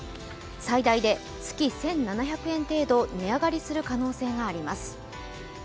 最大で月１７００円程度値上がりする可能性があります。